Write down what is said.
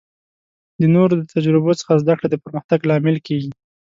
د نورو د تجربو څخه زده کړه د پرمختګ لامل کیږي.